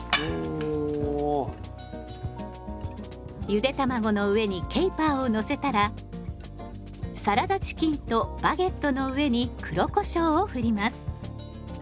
ゆで卵の上にケイパーをのせたらサラダチキンとバゲットの上に黒こしょうをふります。